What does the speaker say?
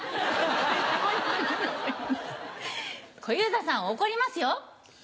小遊三さん怒りますよ。